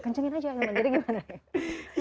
kencengin aja jadi gimana ya